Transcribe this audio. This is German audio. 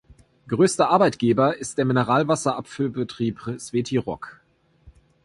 Größter Arbeitgeber ist der Mineralwasser-Abfüllbetrieb Sveti Rok.